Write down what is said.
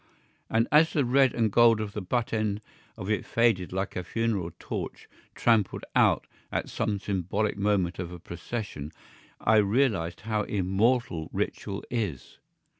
And as the red and gold of the butt end of it faded like a funeral torch trampled out at some symbolic moment of a procession, I realised how immortal ritual is.